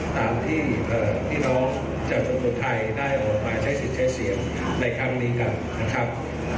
ตามที่พี่น้องประชาชนคนไทยได้ออกมาใช้สิทธิ์ใช้เสียงในครั้งนี้กันนะครับ